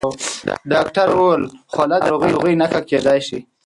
ډاکټر وویل خوله د ناروغۍ نښه کېدای شي.